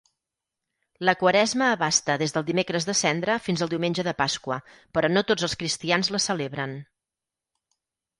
La quaresma abasta des del Dimecres de cendra fins al Diumenge de pasqua, però no tots els cristians la celebren.